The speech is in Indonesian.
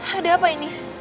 ada apa ini